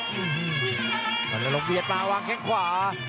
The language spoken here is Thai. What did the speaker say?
มาลงเบียดมาวางแค่งขวา